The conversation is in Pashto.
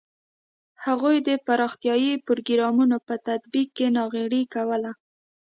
هغوی د پراختیايي پروګرامونو په تطبیق کې ناغېړي کوله.